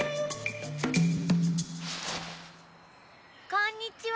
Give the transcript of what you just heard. こんにちは。